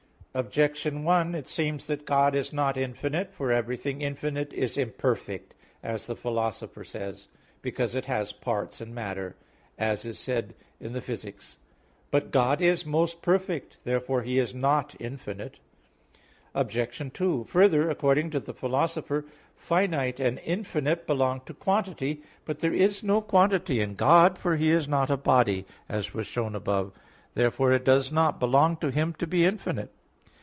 Objection 1: It seems that God is not infinite. For everything infinite is imperfect, as the Philosopher says; because it has parts and matter, as is said in Phys. iii. But God is most perfect; therefore He is not infinite. Obj. 2: Further, according to the Philosopher (Phys. i), finite and infinite belong to quantity. But there is no quantity in God, for He is not a body, as was shown above (Q. 3, A. 1). Therefore it does not belong to Him to be infinite.